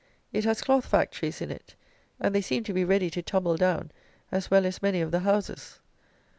It has cloth factories in it, and they seem to be ready to tumble down as well as many of the houses.